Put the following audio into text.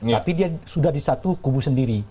tapi dia sudah di satu kubu sendiri